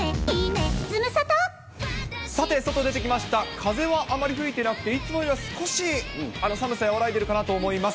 風はあまり吹いていなくて、いつもよりは少し寒さ、和らいでいるかなと思います。